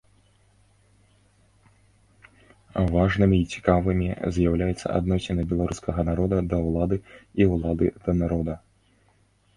Важнымі і цікавымі з'яўляюцца адносіны беларускага народа да ўлады і ўлады да народа.